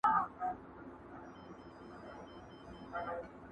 څوک و یوه او څوک وبل ته ورځي،